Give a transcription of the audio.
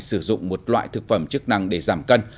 sử dụng một loại thực phẩm chức năng để giảm cân